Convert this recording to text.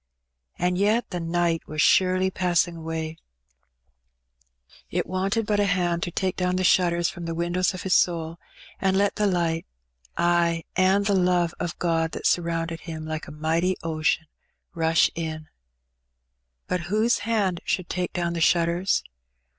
And yet the night was surely passing away. It In which Benny makes a Discovery. 63 wanted but a hand to take down the shutters from the windows of his soul, aud let the Ught— ay, and the love of God that surrounded him, like a mighty ocean — rush in. But whose hand should take down the shutters?